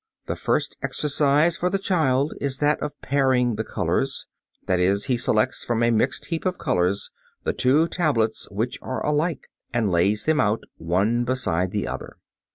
The first exercise for the child is that of pairing the colors; that is, he selects from a mixed heap of colors the two tablets which are alike, and lays them out, one beside the other.